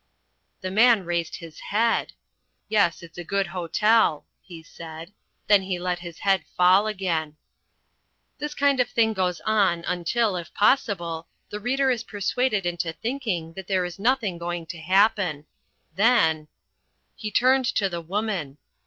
The Man raised his head! "Yes, it's a good hotel," he said. Then he let his head fall again. This kind of thing goes on until, if possible, the reader is persuaded into thinking that there is nothing going to happen. Then: "He turned to The Woman.